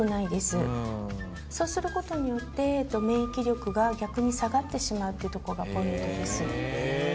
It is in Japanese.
そうすることによって免疫力が逆に下がってしまうとこがポイント。